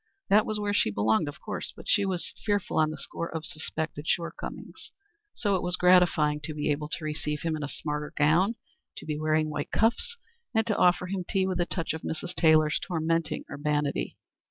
That was where she belonged of course; but she was fearful on the score of suspected shortcomings. So it was gratifying to be able to receive him in a smarter gown, to be wearing white cuffs, and to offer him tea with a touch of Mrs. Taylor's tormenting urbanity.